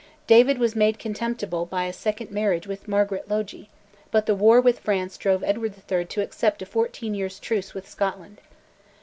David was made contemptible by a second marriage with Margaret Logie, but the war with France drove Edward III. to accept a fourteen years' truce with Scotland.